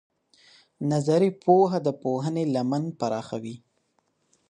نظري پوهه د پوهنې لمن پراخوي.